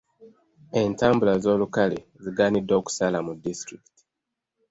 Entambula z’olukale zigaaniddwa okusala mu disitulikiti.